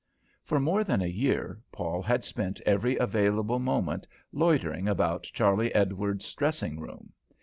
For more than a year Paul had spent every available moment loitering about Charley Edwards's dressing room.